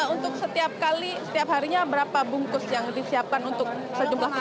untuk setiap kali setiap harinya berapa bungkus yang disiapkan untuk sejumlah